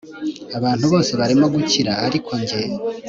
abantu bose barimo gukira ariko njye